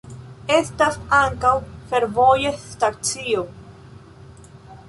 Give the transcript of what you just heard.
Estas ankaŭ fervoja stacio.